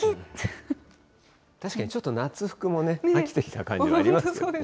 確かにちょっと夏服も飽きてきた感じがありますよね。